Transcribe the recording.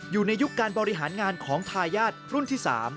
ยุคการบริหารงานของทายาทรุ่นที่๓